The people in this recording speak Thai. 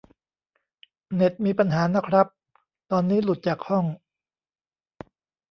เน็ตมีปัญหานะครับ ตอนนี้หลุดจากห้อง